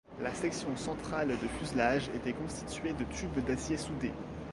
La section centrale de fuselage était constituée de tubes d'acier soudés.